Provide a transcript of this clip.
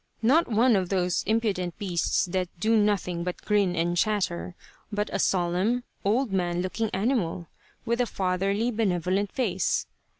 Not one of those impudent beasts that do nothing but grin and chatter, but a solemn, old man looking animal, with a fatherly, benevolent face.